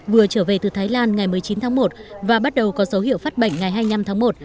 vừa trở về từ thái lan ngày một mươi chín tháng một và bắt đầu có dấu hiệu phát bệnh ngày hai mươi năm tháng một